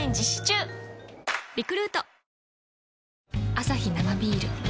アサヒ生ビール